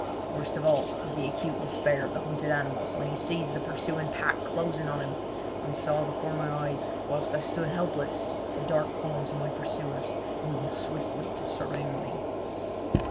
Worst of all, with the acute despair of the hunted animal when he sees the pursuing pack closing on him, I saw before my eyes whilst I stood helpless the dark forms of my pursuers moving swiftly to surround me.